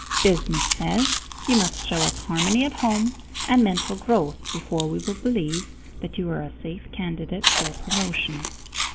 Business says: you must show us harmony at home and mental growth before we will believe that you are a safe candidate for promotion.